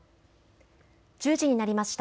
１０時になりました。